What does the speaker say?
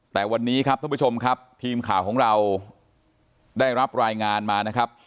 แต่วันนี้ครับท่านผู้ชมครับทีมข่าวของเราได้รับรายงานมานะครับ